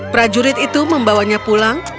prajurit itu membawanya pulang